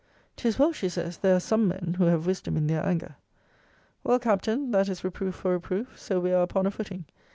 'Tis well, she says, there are some men who have wisdom in their anger. Well, Captain, that is reproof for reproof. So we are upon a footing.